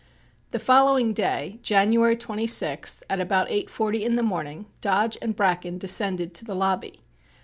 The following day, January 26th, at about 8.40 in the morning, Dodge and Bracken descended to the lobby.